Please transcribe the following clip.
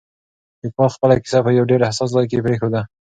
لیکوال خپله کیسه په یو ډېر حساس ځای کې پرېښوده.